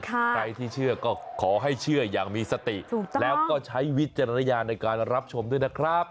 ใครที่เชื่อก็ขอให้เชื่ออย่างมีสติแล้วก็ใช้วิจารณญาณในการรับชมด้วยนะครับ